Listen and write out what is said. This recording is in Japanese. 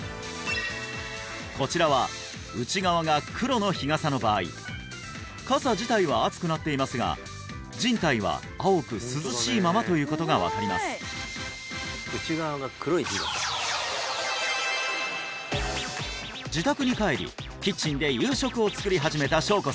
こちらは内側が黒の日傘の場合傘自体は熱くなっていますが人体は青く涼しいままということが分かります自宅に帰りキッチンで夕食を作り始めた翔子